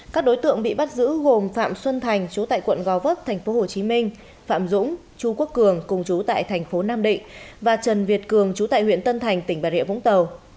các đối tượng bị bắt giữ gồm phạm xuân thành chú tại quận gò vấp thành phố hồ chí minh phạm dũng chú quốc cường cùng chú tại thành phố nam định và trần việt cường chú tại huyện tân thành tỉnh bà rịa vũng tàu